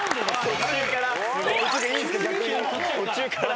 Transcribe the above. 途中から。